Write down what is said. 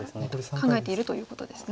考えているということですね。